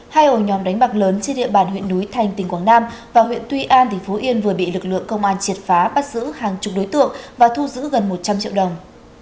hai ổ nhóm đánh bạc lớn trên địa bàn huyện núi thành tỉnh quảng nam và huyện tuy an tỉnh phú yên vừa bị lực lượng công an triệt phá bắt giữ hàng chục đối tượng và thu giữ gần một trăm linh triệu đồng